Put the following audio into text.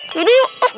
jadi yuk ah jangan